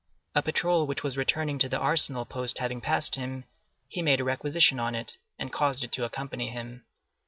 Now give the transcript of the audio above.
A patrol which was returning to the Arsenal post having passed him, he made a requisition on it, and caused it to accompany him.